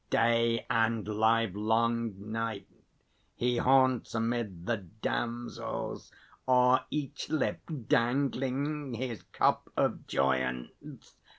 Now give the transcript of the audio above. Day and livelong night He haunts amid the damsels, o'er each lip Dangling his cup of joyance!